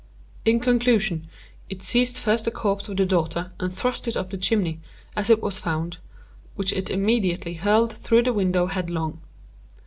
In conclusion, it seized first the corpse of the daughter, and thrust it up the chimney, as it was found; then that of the old lady, which it immediately hurled through the window headlong.